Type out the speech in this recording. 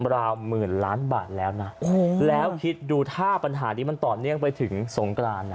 ราวหมื่นล้านบาทแล้วนะแล้วคิดดูถ้าปัญหานี้มันต่อเนื่องไปถึงสงกราน